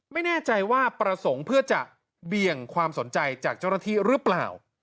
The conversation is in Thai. ไม่แน่ใจว่าประสงค์เพื่อจะเบี่ยงความสนใจจากเจ้าหน้าที่หรือเปล่า